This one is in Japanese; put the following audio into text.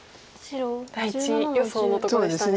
第１予想のとこでしたね。